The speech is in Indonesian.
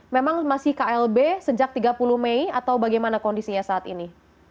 memang masih klb sejak tiga puluh mei atau bagaimana kondisinya saat ini